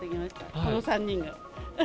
この３人が。